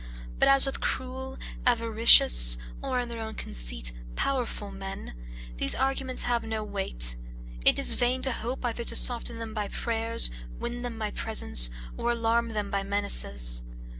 But as with cruel, avaricious, or, in their own conceit, powerful men, these arguments have no weight, it is vain to hope, either to soften them by prayers, win them by presents, or alarm them by menaces.